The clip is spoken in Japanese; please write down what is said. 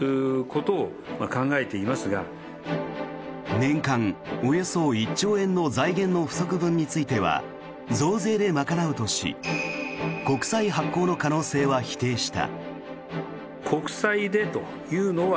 年間およそ１兆円の財源の不足分については増税で賄うとし国債発行の可能性は否定した。